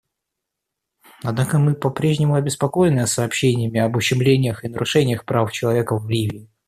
Однако мы по-прежнему обеспокоены сообщениями об ущемлениях и нарушениях прав человека в Ливии.